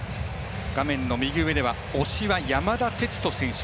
画面の右上では推しは山田哲人選手。